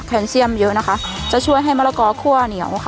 แนนเซียมเยอะนะคะจะช่วยให้มะละกอคั่วเหนียวค่ะ